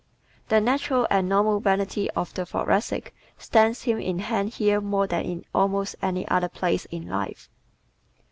The natural and normal vanity of the Thoracic stands him in hand here more than in almost any other place in life.